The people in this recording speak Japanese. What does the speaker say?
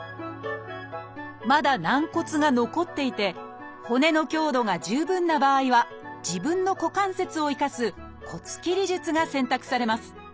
まだ軟骨が残っていて骨の強度が十分な場合は自分の股関節を生かす骨切り術が選択されます。